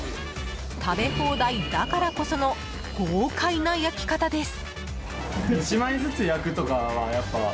食べ放題だからこその豪快な焼き方です。